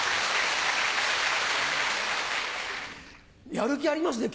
やる気ありますね